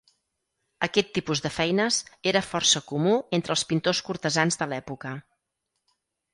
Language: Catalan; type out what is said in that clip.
Aquest tipus de feines era força comú entre els pintors cortesans de l'època.